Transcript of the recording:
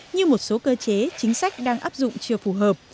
như một số cơ chế chính sách đang áp dụng chưa phù hợp